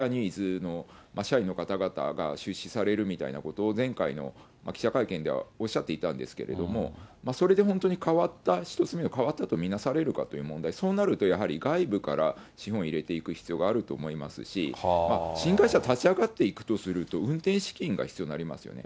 これも２点問題がありまして、今は旧ジャニーズの社員の方々が出資されるみたいなことを前回の記者会見ではおっしゃっていたんですけれども、それで本当に変わった、１つ目が変わったとみなされるかという問題、そうなると、やはり外部から資本を入れていく必要があると思いますし、新会社立ち上がっていくとすると、運転資金が必要になりますよね。